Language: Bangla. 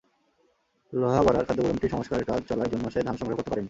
লোহাগাড়ার খাদ্যগুদামটির সংস্কারের কাজ চলায় জুন মাসে ধান সংগ্রহ করতে পারিনি।